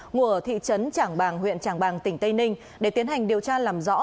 ngủ ở thị trấn tràng bàng huyện tràng bàng tỉnh tây ninh để tiến hành điều tra làm rõ